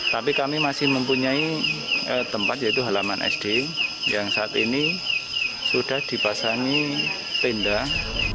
tapi kami masih mempunyai tempat yaitu halaman sd yang saat ini sudah dipasangi pindah